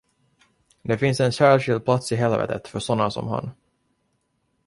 Det finns en särskild plats i helvetet för sådana som han.